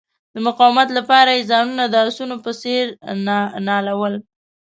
د مقاومت لپاره یې ځانونه د آسونو په څیر نالول.